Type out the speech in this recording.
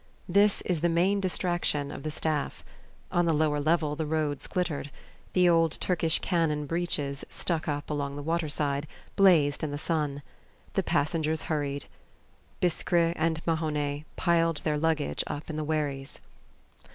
This is the main distraction of the staff. On the lower level, the roads glittered. The old Turkish cannon breaches, stuck up along the waterside, blazed in the sun. The passengers hurried, Biskris and Mahonnais piled their luggage up in the wherries.